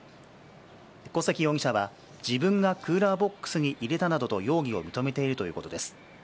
小関容疑者は自分がクーラーボックスに入れたなどと容疑を認めているということです。